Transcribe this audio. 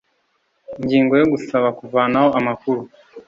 Ingingo yo Gusaba kuvanaho amakuru